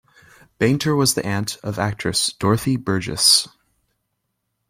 Bainter was the aunt of actress Dorothy Burgess.